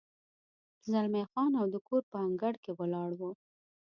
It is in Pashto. زلمی خان او د کور په انګړ کې ولاړ و.